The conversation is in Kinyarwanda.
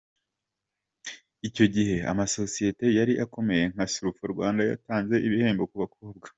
Icyo gihe amasosiyete yari akomeye nka Sulfo Rwanda yatanze ibihembo ku bakobwa.